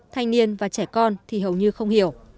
thanh niên và trẻ con thì hầu như không hiểu